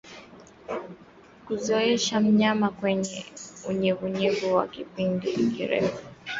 Kuzoesha mnyama kwenye unyevunyevu kwa kipindi kirefu